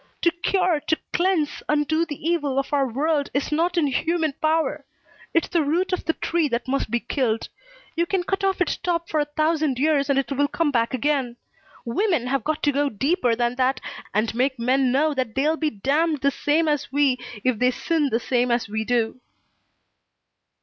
To cure, to cleanse, undo the evil of our world is not in human power. It's the root of the tree that must be killed. You can cut off its top for a thousand years and it will come back again. Women have got to go deeper than that and make men know that they'll be damned the same as we if they sin the same as we do."